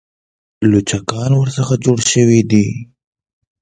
لوچکان ورڅخه جوړ شوي دي.